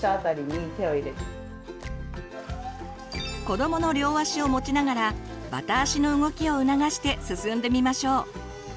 子どもの両足を持ちながらバタ足の動きを促して進んでみましょう。